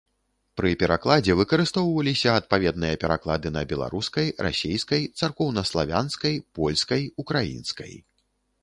Пры перакладзе выкарыстоўваліся адпаведныя пераклады на беларускай, расейскай, царкоўнаславянскай, польскай, украінскай.